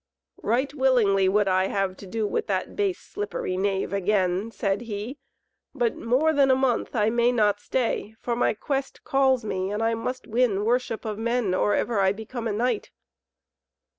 "Right willingly would I have to do with that base, slippery knave again," said he, "but more than a month I may not stay, for my quest calls me and I must win worship of men or ever I become a knight."